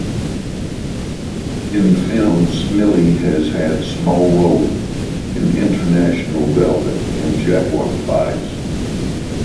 In film, Smillie has had small roles in "International Velvet" and "Jaguar Lives!".